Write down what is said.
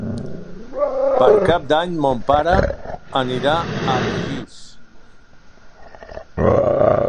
Per Cap d'Any mon pare anirà a Begís.